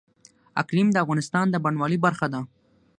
اقلیم د افغانستان د بڼوالۍ برخه ده.